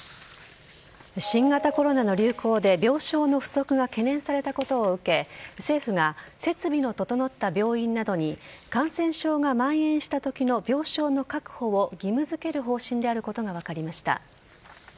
新型コロナの流行で病床の不足が懸念されたことを受け政府が設備の整った病院などに感染症がまん延したときの病床の確保を義務付ける方針であることが分かりました。